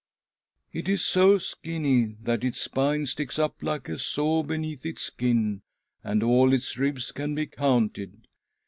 It is so skinny that its spine sticks up like a saw beneath its skin, and all its ribs can be counted.